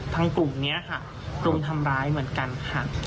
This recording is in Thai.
กลุ่มนี้ค่ะรุมทำร้ายเหมือนกันค่ะ